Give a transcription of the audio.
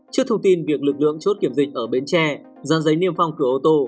trước thông tin việc lực lượng chốt kiểm dịch ở bến tre ra giấy niêm phong cửa ô tô